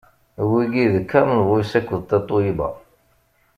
wigi d Common Voice akked Tatoeba.